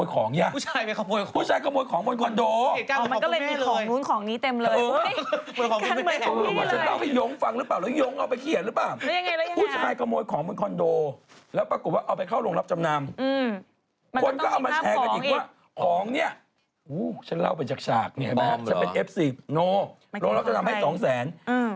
คนก็เอามาแชร์กันอีกว่าของเนี่ยฉันเล่าไปจากฉากฉันเป็นเอฟซีเราจะนำให้๒แสน